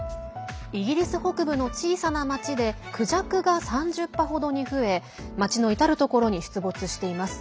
イギリス北部の小さな町でクジャクが３０羽程に増え町の至る所に出没しています。